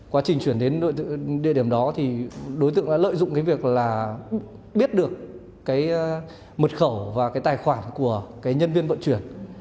quá trình chuyển đến địa điểm đó thì đối tượng đã lợi dụng cái việc là biết được cái mật khẩu và cái tài khoản của cái nhân viên vận chuyển